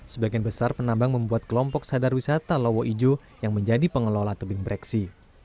sebagian besar penambang membuat kelompok sadar wisata lowo ijo yang menjadi pengelola tebing breksi